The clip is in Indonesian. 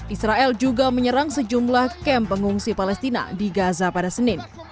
israel juga menyerang sejumlah kamp pengungsi palestina di gaza pada senin